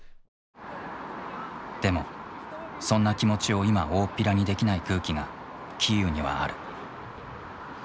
でもそんな気持ちを今おおっぴらにできない空気がキーウにはある。